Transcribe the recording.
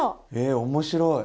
え面白い！